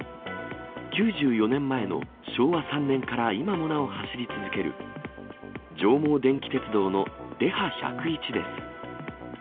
９４年前の昭和３年から今もなお走り続ける、上毛電気鉄道のデハ１０１です。